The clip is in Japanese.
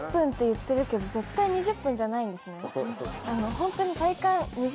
ホントに。